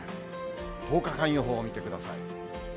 １０日間予報を見てください。